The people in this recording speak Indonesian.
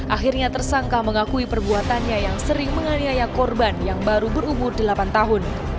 akhirnya tersangka mengakui perbuatannya yang sering menganiaya korban yang baru berumur delapan tahun